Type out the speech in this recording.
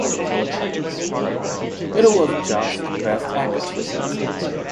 It was just bad acting.